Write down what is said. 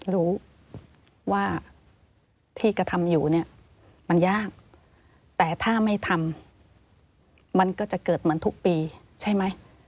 รู้ว่าที่กระทำอยู่เนี่ยมันยากแต่ถ้าไม่ทำมันก็จะเกิดเหมือนทุกปีใช่ไหม